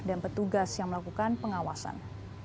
dan petugas yang melakukan pengawasan